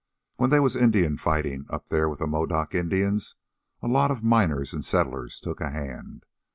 When they was Indian fightin' up there with the Modoc Indians, a lot of the miners an' settlers took a hand.